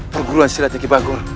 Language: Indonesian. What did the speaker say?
perguruan silatnya ki bagul